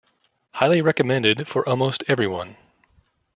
Highly recommended for almost everyone.